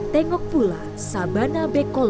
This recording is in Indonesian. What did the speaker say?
tengok pula sabana bekol